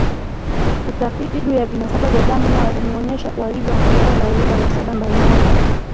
Utafiti juu ya vinasaba vya damu yao umeonyesha walivyoathiriwa na urithi wa nasaba mbalimbali